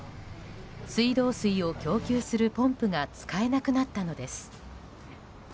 水道水を供給するポンプが使えなくなったのです。